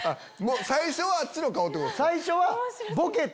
最初はあっちの顔ってことっすか。